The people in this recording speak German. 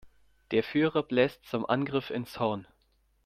Der Führer bläst zum Angriff ins Horn.